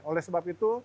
oleh sebab itu